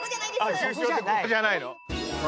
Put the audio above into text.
急所ってここじゃないの？